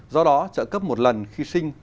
do đó trợ cấp một lần khi sinh